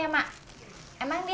ini dari om herman ya mak